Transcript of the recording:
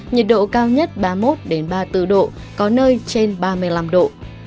nhiệt độ cao nhất ba mươi một ba mươi bốn độ có nơi trên ba mươi năm độ